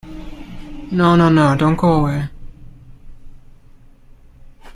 No, no, no, don't go away.